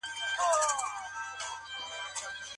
که هلک بېسواده وي د ژوند چاري به څنګه پرمخ ځي؟